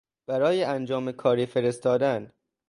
برای انجام کاری فرستادن